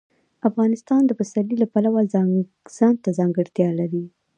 افغانستان د پسرلی د پلوه ځانته ځانګړتیا لري.